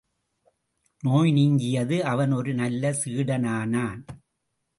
நோய் நீங்கியது அவன் ஒரு நல்ல சீடனானான்.